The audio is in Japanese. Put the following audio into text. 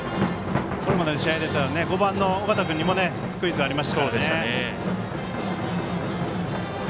これまでの試合でいったら５番の尾形君にもスクイズありましたからね。